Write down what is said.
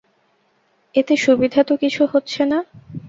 এতে অসুবিধা তো কিছু হচ্ছে না।